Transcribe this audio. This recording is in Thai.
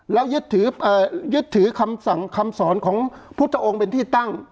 แล้วยึดถือคำสั่งคำสอนของพุทธองค์เป็นที่ตั้ง